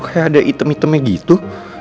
kok kayak ada item itemnya gitu